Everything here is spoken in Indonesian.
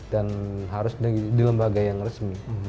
dan harus di lembaga yang resmi